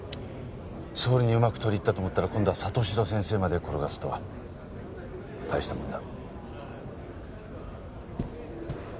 総理にうまく取り入ったと思ったら今度は里城先生まで転がすとは大したもんだ